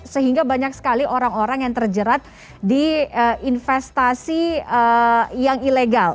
sehingga banyak sekali orang orang yang terjerat di investasi yang ilegal